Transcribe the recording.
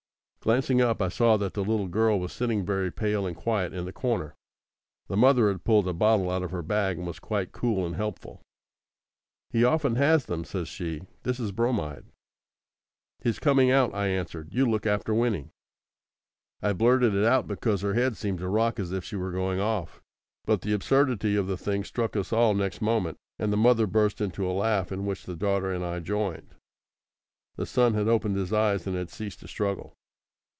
Glancing up, I saw that the little girl was sitting very pale and quiet in the corner. The mother had pulled a bottle out of her bag and was quite cool and helpful. "He often has them," said she, "this is bromide." "He is coming out," I answered; "you look after Winnie." I blurted it out because her head seemed to rock as if she were going off; but the absurdity of the thing struck us all next moment, and the mother burst into a laugh in which the daughter and I joined. The son had opened his eyes and had ceased to struggle.